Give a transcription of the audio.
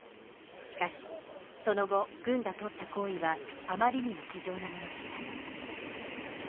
しかしその後軍がとった行為はあまりにも非情なものでした